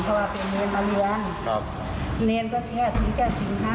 เพราะว่าเป็นเนรประเรืองเนรก็ถือก็ถือแค่สินท่า